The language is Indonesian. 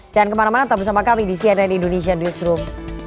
jangan kemana mana tetap bersama kami di cnn indonesia newsroom